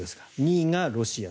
２位がロシア。